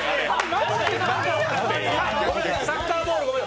サッカーボールごめん。